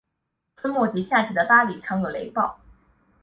春末及夏季的巴里常有雷暴。